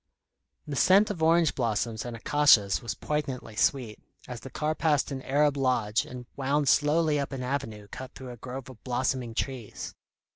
The scent of orange blossoms and acacias was poignantly sweet, as the car passed an Arab lodge, and wound slowly up an avenue cut through a grove of blossoming trees.